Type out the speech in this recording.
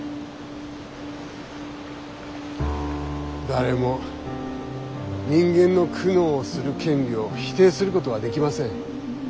誰も人間の苦悩する権利を否定することはできません。